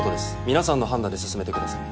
皆さんの判断で進めてください。